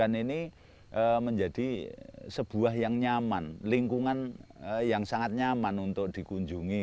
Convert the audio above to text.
ini menjadi sebuah yang nyaman lingkungan yang sangat nyaman untuk dikunjungi